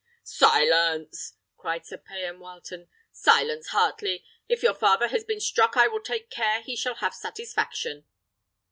"Silence!" cried Sir Payan Wileton; "silence, Heartley! If your father has been struck, I will take care he shall have satisfaction."